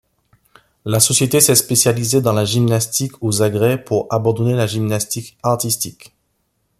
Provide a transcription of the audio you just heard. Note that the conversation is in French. La société s’est spécialisée dans la gymnastique aux agrès pour abandonner la gymnastique artistique.